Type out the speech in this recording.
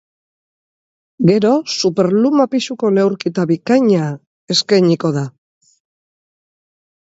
Gero, superluma pisuko neurketa bikaina eskainiko da.